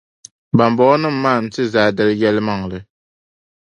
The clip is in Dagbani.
Bambɔŋɔnima maa n-ti Zaadali yɛlimaŋli.